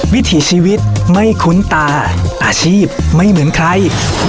วิถีชีวิตไม่คุ้นตาอาชีพไม่เหมือนใคร